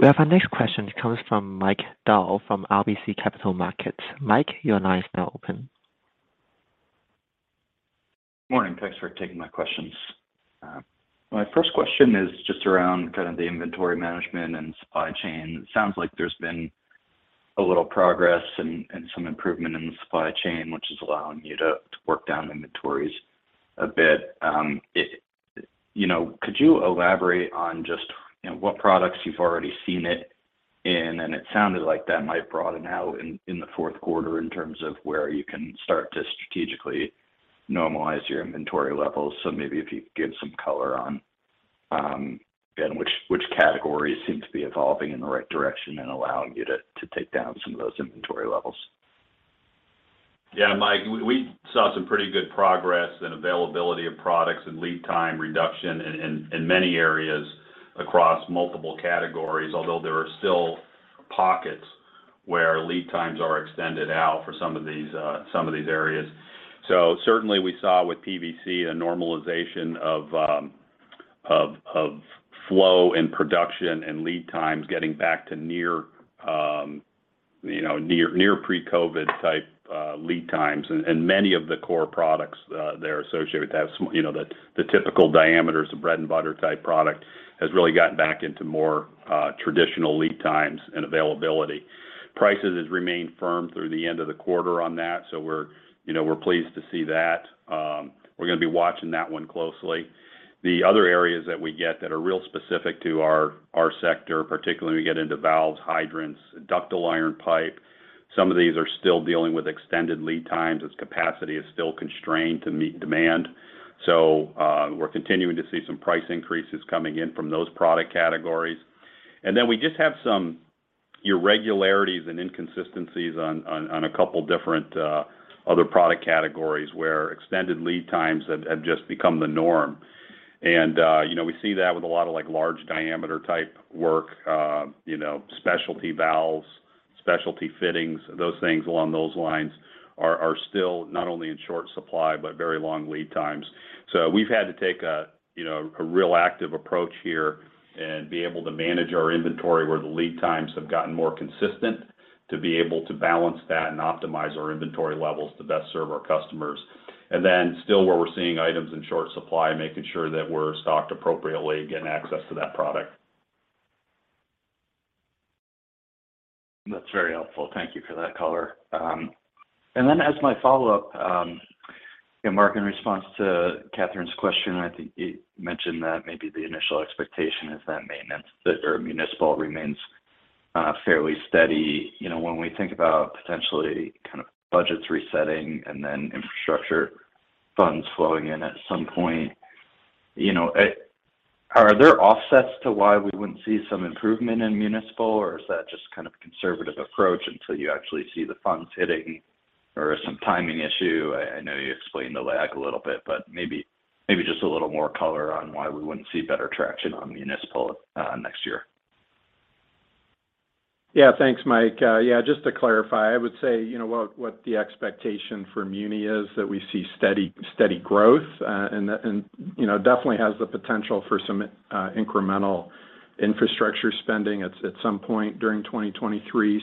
We have our next question comes from Mike Dahl from RBC Capital Markets. Mike, your line is now open. Morning. Thanks for taking my questions. My first question is just around kind of the inventory management and supply chain. It sounds like there's been a little progress and some improvement in the supply chain, which is allowing you to work down inventories a bit. You know, could you elaborate on just, you know, what products you've already seen it in? It sounded like that might broaden out in the fourth quarter in terms of where you can start to strategically normalize your inventory levels. Maybe if you could give some color on, and which categories seem to be evolving in the right direction and allowing you to take down some of those inventory levels. Yeah. Mike, we saw some pretty good progress and availability of products and lead time reduction in many areas across multiple categories, although there are still pockets Where lead times are extended out for some of these areas. Certainly we saw with PVC a normalization of flow and production and lead times getting back to you know, near pre-COVID type lead times. Many of the core products that are associated with that. You know, the typical diameters of bread and butter type product has really gotten back into more traditional lead times and availability. Prices has remained firm through the end of the quarter on that, so we're, you know, we're pleased to see that. We're gonna be watching that one closely. The other areas that we get that are real specific to our sector, particularly when we get into valves, hydrants, ductile iron pipe, some of these are still dealing with extended lead times as capacity is still constrained to meet demand. We're continuing to see some price increases coming in from those product categories. Then we just have some irregularities and inconsistencies on a couple different other product categories, where extended lead times have just become the norm. You know, we see that with a lot of like large diameter type work, you know, specialty valves, specialty fittings. Those things along those lines are still not only in short supply, but very long lead times. We've had to take a, you know, a real active approach here and be able to manage our inventory where the lead times have gotten more consistent to be able to balance that and optimize our inventory levels to best serve our customers. Still where we're seeing items in short supply, making sure that we're stocked appropriately, getting access to that product. That's very helpful. Thank you for that color. As my follow-up, you know, Mark, in response to Kathryn's question, I think you mentioned that maybe the initial expectation is that maintenance or municipal remains, fairly steady. You know, when we think about potentially kind of budgets resetting and then infrastructure funds flowing in at some point, you know, Are there offsets to why we wouldn't see some improvement in municipal, or is that just kind of a conservative approach until you actually see the funds hitting or some timing issue? I know you explained the lag a little bit, but maybe just a little more color on why we wouldn't see better traction on municipal, next year. Yeah. Thanks, Mike. Yeah, just to clarify, I would say, you know, what the expectation for muni is that we see steady growth, and that, you know, definitely has the potential for some incremental infrastructure spending at some point during 2023. You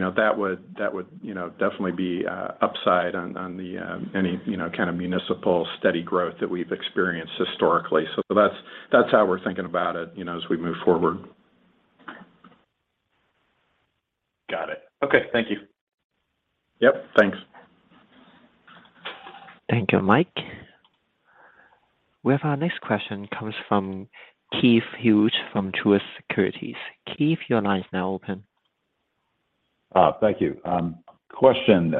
know, that would, you know, definitely be upside on the, any, you know, kind of municipal steady growth that we've experienced historically. That's, that's how we're thinking about it, you know, as we move forward. Got it. Okay. Thank you. Yep. Thanks. Thank you, Mike. We have our next question comes from Keith Hughes from Truist Securities. Keith, your line is now open. Thank you. Question.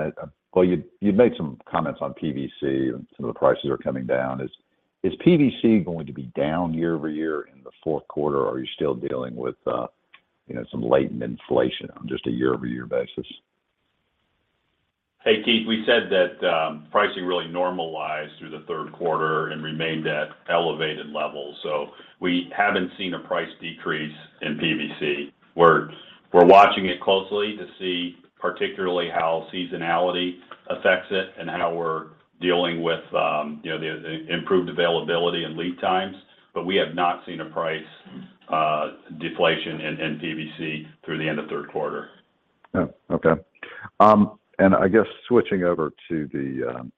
Well, you've made some comments on PVC and some of the prices are coming down. Is PVC going to be down year-over-year in the fourth quarter, or are you still dealing with, you know, some latent inflation on just a year-over-year basis? Hey, Keith. We said that pricing really normalized through the third quarter and remained at elevated levels. We haven't seen a price decrease in PVC. We're watching it closely to see particularly how seasonality affects it and how we're dealing with, you know, the improved availability and lead times. We have not seen a price deflation in PVC through the end of third quarter. I guess switching over to the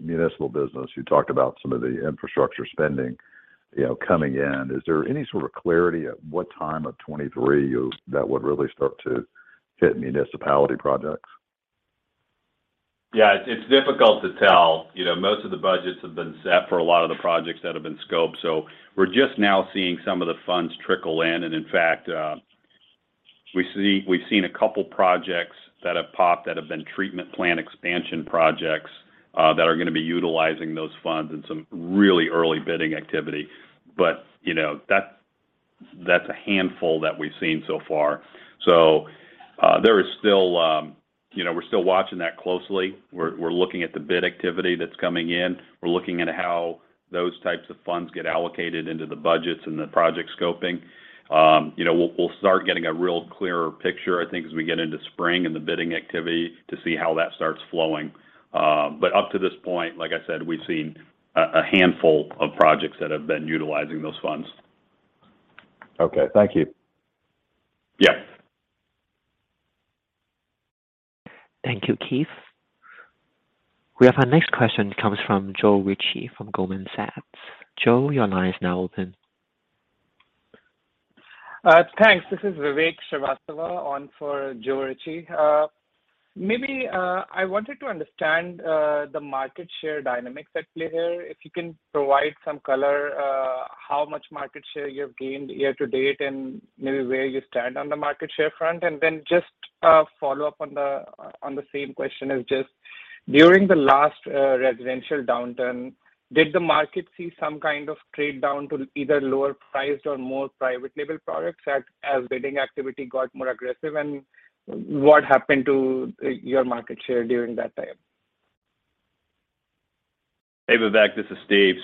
municipal business, you talked about some of the infrastructure spending, you know, coming in. Is there any sort of clarity at what time of 2023 that would really start to hit municipality projects? Yeah. It's difficult to tell. You know, most of the budgets have been set for a lot of the projects that have been scoped, so we're just now seeing some of the funds trickle in. In fact, we've seen two projects that have popped that have been treatment plan expansion projects that are gonna be utilizing those funds and some really early bidding activity. You know, that's a handful that we've seen so far. There is still, you know, we're still watching that closely. We're, we're looking at the bid activity that's coming in. We're looking at how those types of funds get allocated into the budgets and the project scoping. You know, we'll start getting a real clearer picture, I think, as we get into spring and the bidding activity to see how that starts flowing. up to this point, like I said, we've seen a handful of projects that have been utilizing those funds. Okay. Thank you. Yeah. Thank you, Keith. We have our next question comes from Joe Ritchie from Goldman Sachs. Joe, your line is now open. Thanks. This is Vivek Srivastava on for Joe Ritchie. Maybe, I wanted to understand the market share dynamics at play here. If you can provide some color, how much market share you have gained year to date and maybe where you stand on the market share front. Just a follow-up on the same question is just during the last residential downturn, did the market see some kind of trade down to either lower priced or more private label products as bidding activity got more aggressive, and what happened to your market share during that time? Hey, Vivek, this is Steve.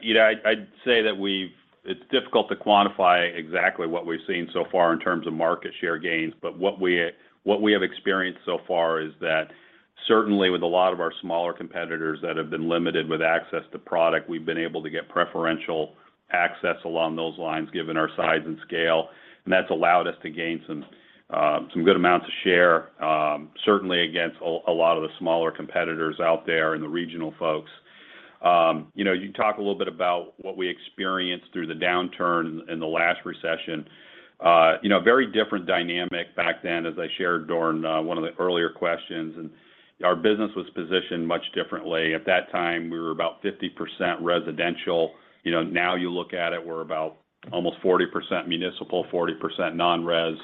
You know, I'd say that we've it's difficult to quantify exactly what we've seen so far in terms of market share gains, but what we have experienced so far is that certainly with a lot of our smaller competitors that have been limited with access to product, we've been able to get preferential access along those lines, given our size and scale. That's allowed us to gain some good amounts of share, certainly against a lot of the smaller competitors out there and the regional folks. You know, you talk a little bit about what we experienced through the downturn in the last recession. You know, very different dynamic back then, as I shared during one of the earlier questions, and our business was positioned much differently. At that time, we were about 50% residential. You know, now you look at it, we're about almost 40% municipal, 40% non-res, and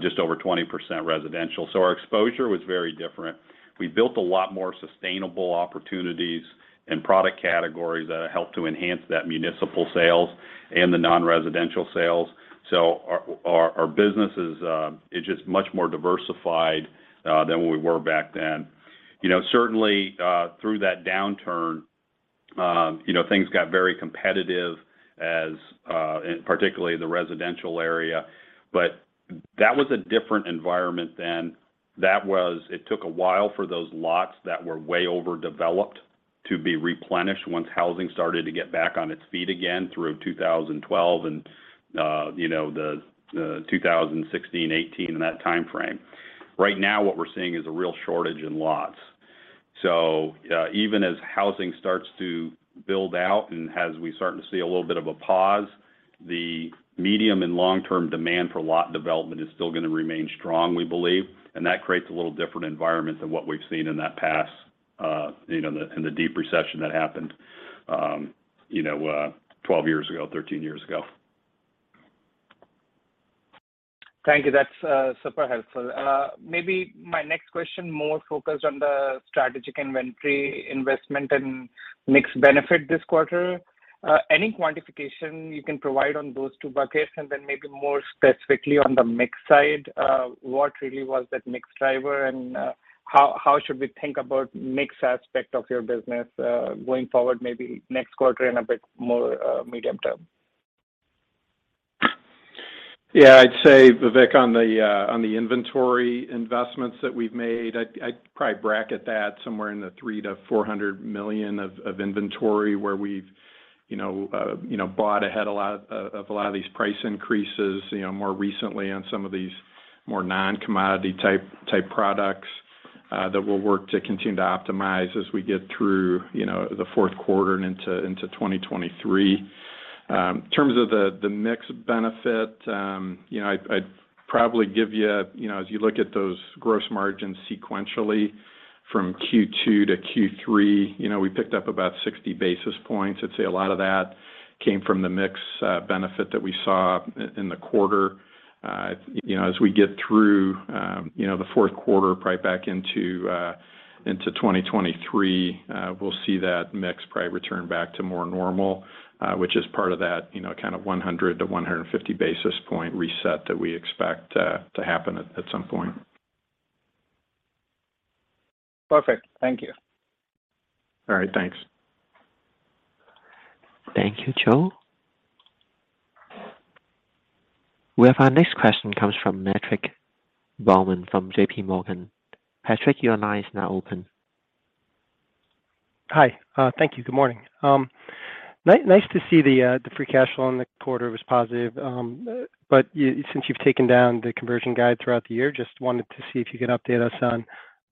just over 20% residential. Our exposure was very different. We built a lot more sustainable opportunities and product categories that helped to enhance that municipal sales and the non-residential sales. Our business is just much more diversified than we were back then. You know, certainly through that downturn, you know, things got very competitive as in particularly the residential area. That was a different environment then. It took a while for those lots that were way overdeveloped to be replenished once housing started to get back on its feet again through 2012 and you know, the 2016, 2018 and that timeframe. Right now, what we're seeing is a real shortage in lots. Even as housing starts to build out and as we start to see a little bit of a pause, the medium and long-term demand for lot development is still gonna remain strong, we believe. That creates a little different environment than what we've seen in that past, you know, in the deep recession that happened, you know, 12 years ago, 13 years ago. Thank you. That's super helpful. Maybe my next question more focused on the strategic inventory investment and mix benefit this quarter. Any quantification you can provide on those 2 buckets? Maybe more specifically on the mix side, what really was that mix driver and how should we think about mix aspect of your business going forward maybe next quarter and a bit more medium term? Yeah. I'd say, Vivek, on the inventory investments that we've made, I'd probably bracket that somewhere in the $300 million-$400 million of inventory where we've, you know, bought ahead a lot of a lot of these price increases, you know, more recently on some of these more non-commodity type products that we'll work to continue to optimize as we get through, you know, the fourth quarter and into 2023. In terms of the mix benefit, you know, I'd probably give you know, as you look at those gross margins sequentially from Q2 to Q3, you know, we picked up about 60 basis points. I'd say a lot of that came from the mix benefit that we saw in the quarter. You know, as we get through, you know, the fourth quarter probably back into 2023, we'll see that mix probably return back to more normal, which is part of that, you know, kind of 100 basis points-150 basis points reset that we expect to happen at some point. Perfect. Thank you. All right. Thanks. Thank you, Joe. We have our next question comes from Patrick Baumann from JPMorgan. Patrick, your line is now open. Hi. Thank you. Good morning. Nice to see the free cash flow in the quarter was positive. Since you've taken down the conversion guide throughout the year, just wanted to see if you could update us on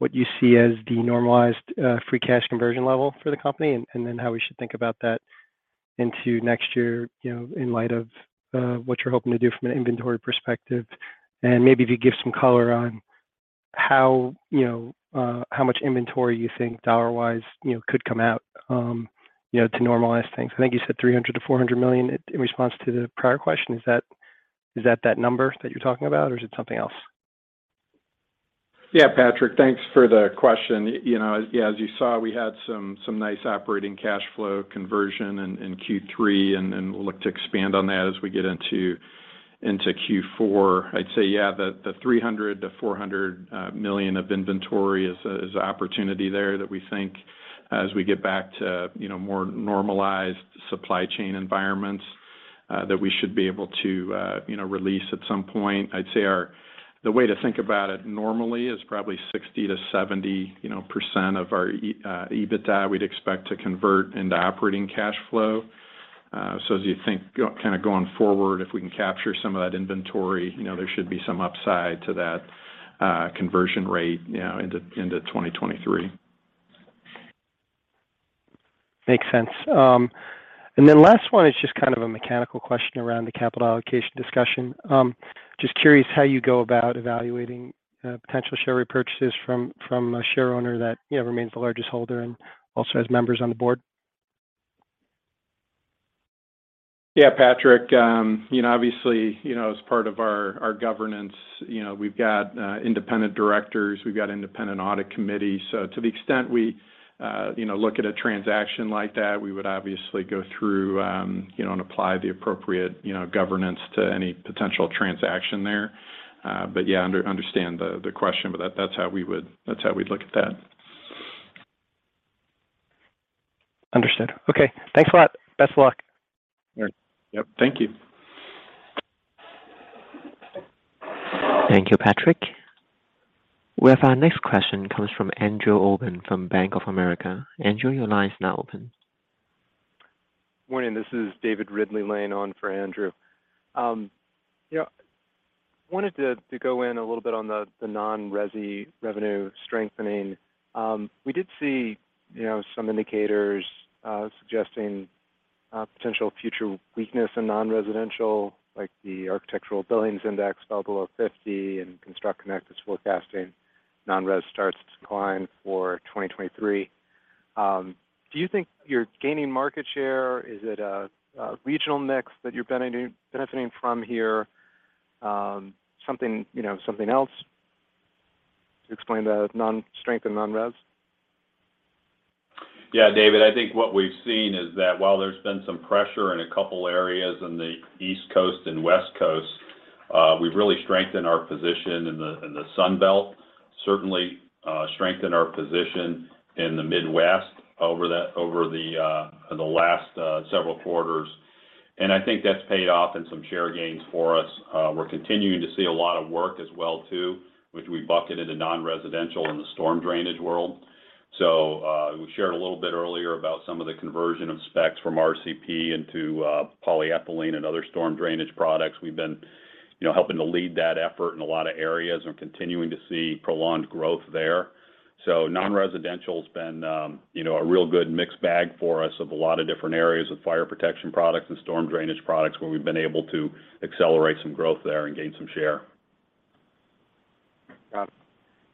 what you see as the normalized free cash conversion level for the company and then how we should think about that into next year, you know, in light of what you're hoping to do from an inventory perspective. Maybe if you give some color on how, you know, how much inventory you think dollar-wise, you know, could come out, you know, to normalize things. I think you said $300 million-$400 million in response to the prior question. Is that that number that you're talking about or is it something else? Patrick, thanks for the question. You know, as you saw, we had some nice operating cash flow conversion in Q3, we'll look to expand on that as we get into Q4. I'd say, the $300 million-$400 million of inventory is a opportunity there that we think as we get back to, you know, more normalized supply chain environments, that we should be able to, you know, release at some point. I'd say the way to think about it normally is probably 60%-70%, you know, of our EBITDA we'd expect to convert into operating cash flow. As you think kind of going forward, if we can capture some of that inventory, you know, there should be some upside to that, conversion rate, you know, into 2023. Makes sense. Last one is just kind of a mechanical question around the capital allocation discussion. Just curious how you go about evaluating potential share repurchases from a shareowner that, you know, remains the largest holder and also has members on the board. Yeah, Patrick. You know, obviously, you know, as part of our governance, you know, we've got independent directors, we've got independent audit committee. To the extent we, you know, look at a transaction like that, we would obviously go through, you know, apply the appropriate, you know, governance to any potential transaction there. Yeah, understand the question, that's how we'd look at that. Understood. Okay, thanks a lot. Best of luck. All right. Yep. Thank you. Thank you, Patrick. We have our next question comes from Andrew Obin from Bank of America. Andrew, your line is now open. Morning, this is David Ridley-Lane on for Andrew. Yeah, wanted to go in a little bit on the non-resi revenue strengthening. We did see, you know, some indicators suggesting potential future weakness in non-residential, like the Architecture Billings Index fell below 50 and ConstructConnect is forecasting non-res starts to decline for 2023. Do you think you're gaining market share? Is it a regional mix that you're benefiting from here? Something, you know, something else to explain the strength in non-res? Yeah, David, I think what we've seen is that while there's been some pressure in a couple areas in the East Coast and West Coast, we've really strengthened our position in the Sun Belt, certainly, strengthened our position in the Midwest over the last several quarters. I think that's paid off in some share gains for us. We're continuing to see a lot of work as well too, which we bucket into non-residential in the storm drainage world. We shared a little bit earlier about some of the conversion of specs from RCP into polyethylene and other storm drainage products. We've been, you know, helping to lead that effort in a lot of areas and continuing to see prolonged growth there. Non-residential has been, you know, a real good mixed bag for us of a lot of different areas with fire protection products and storm drainage products where we've been able to accelerate some growth there and gain some share. Got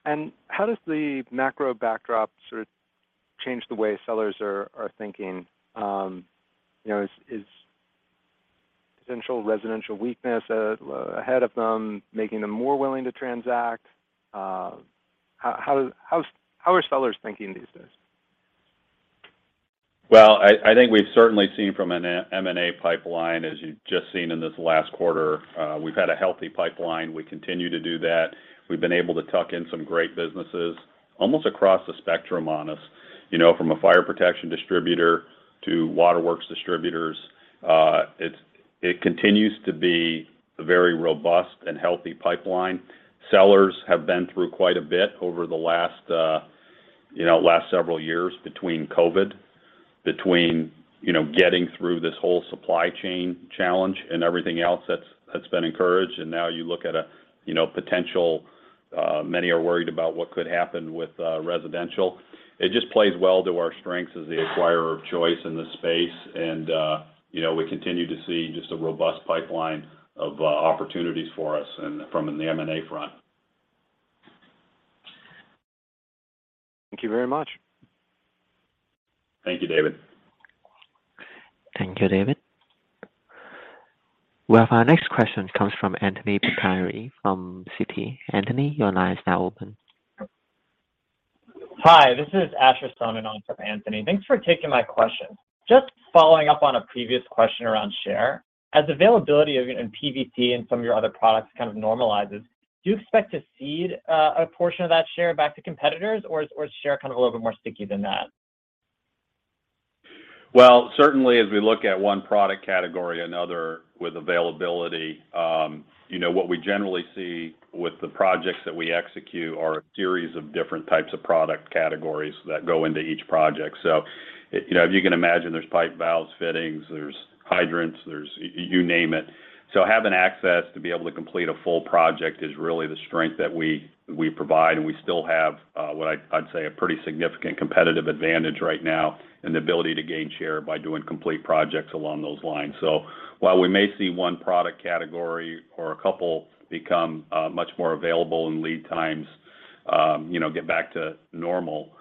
it. How does the macro backdrop sort of change the way sellers are thinking? You know, is potential residential weakness ahead of them making them more willing to transact? How are sellers thinking these days? Well, I think we've certainly seen from an M&A pipeline, as you've just seen in this last quarter, we've had a healthy pipeline. We continue to do that. We've been able to tuck in some great businesses almost across the spectrum on us, you know, from a fire protection distributor to waterworks distributors. It's, it continues to be a very robust and healthy pipeline. Sellers have been through quite a bit over the last, you know, last several years between COVID, between, you know, getting through this whole supply chain challenge and everything else that's been encouraged. Now you look at a, you know, potential, many are worried about what could happen with residential. It just plays well to our strengths as the acquirer of choice in this space. you know, we continue to see just a robust pipeline of opportunities for us and from in the M&A front. Thank you very much. Thank you, David. Thank you, David. We have our next question comes from Anthony Pettinari from Citi. Anthony, your line is now open. Hi, this is Asher Sohnen on for Anthony. Thanks for taking my question. Just following up on a previous question around share. As availability of PVC and some of your other products kind of normalizes, do you expect to cede a portion of that share back to competitors, or is share kind of a little bit more sticky than that? Certainly, as we look at one product category or another with availability, you know, what we generally see with the projects that we execute are a series of different types of product categories that go into each project. You know, if you can imagine there's pipe, valves, fittings, there's hydrants, there's. You name it. Having access to be able to complete a full project is really the strength that we provide. We still have what I'd say a pretty significant competitive advantage right now in the ability to gain share by doing complete projects along those lines. While we may see one product category or a couple become much more available and lead times, you know, get back to normal,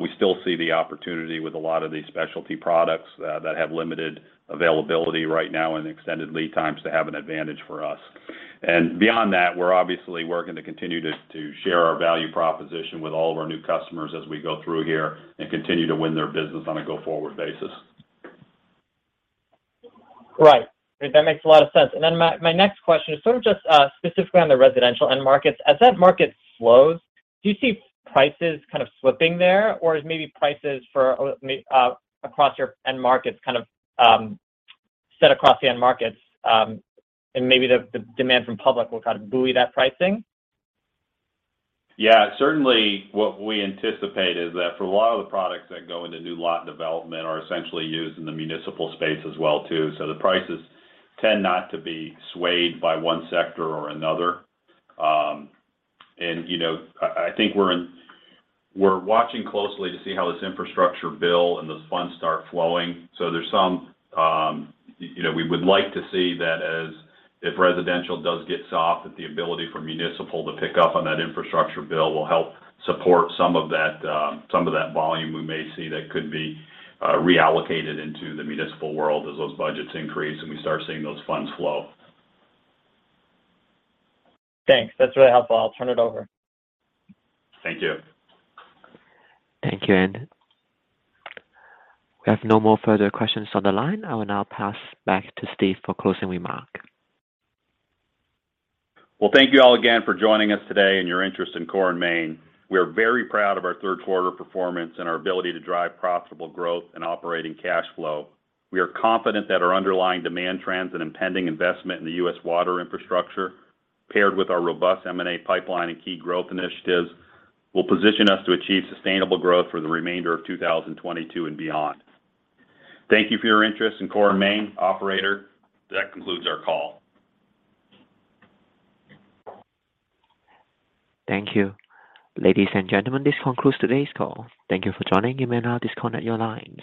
we still see the opportunity with a lot of these specialty products that have limited availability right now and extended lead times to have an advantage for us. Beyond that, we're obviously working to continue to share our value proposition with all of our new customers as we go through here and continue to win their business on a go-forward basis. Right. That makes a lot of sense. My next question is sort of just specifically on the residential end markets. As that market slows, do you see prices kind of slipping there? Or is maybe prices for across your end markets kind of set across the end markets, and maybe the demand from public will kind of buoy that pricing? Yeah, certainly what we anticipate is that for a lot of the products that go into new lot development are essentially used in the municipal space as well too. The prices tend not to be swayed by one sector or another. You know, I think we're watching closely to see how this infrastructure bill and those funds start flowing. There's some, you know, we would like to see that as if residential does get soft, that the ability for municipal to pick up on that infrastructure bill will help support some of that, some of that volume we may see that could be reallocated into the municipal world as those budgets increase, and we start seeing those funds flow. Thanks. That's really helpful. I'll turn it over. Thank you. Thank you. We have no more further questions on the line. I will now pass back to Steve for closing remark. Well, thank you all again for joining us today and your interest in Core & Main. We are very proud of our third quarter performance and our ability to drive profitable growth and operating cash flow. We are confident that our underlying demand trends and impending investment in the U.S. water infrastructure, paired with our robust M&A pipeline and key growth initiatives, will position us to achieve sustainable growth for the remainder of 2022 and beyond. Thank you for your interest in Core & Main. Operator, that concludes our call. Thank you. Ladies and gentlemen, this concludes today's call. Thank you for joining. You may now disconnect your lines.